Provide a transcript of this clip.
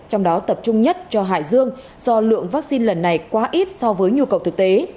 trong đó tập trung nhất cho hải dương do lượng vaccine lần này quá ít so với nhu cầu thực tế